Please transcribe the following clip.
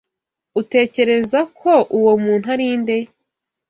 Utekereza ko uwo muntu ari nde?